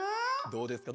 どうですか？